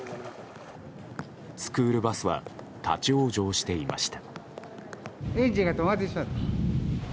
スクールバスは立ち往生していました。